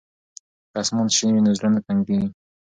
که اسمان شین وي نو زړه نه تنګیږي.